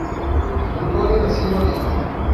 Antônia da Silva Lima